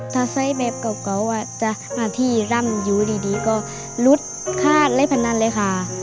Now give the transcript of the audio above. ถ้าใส่แบบเก่าจะมาที่ร่ำอยู่ดีก็ลุดฆาตและพนันเลยค่ะ